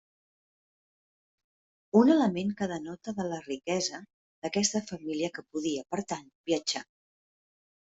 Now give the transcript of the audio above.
Un element que denota de la riquesa d'aquesta família que podia, per tant, viatjar.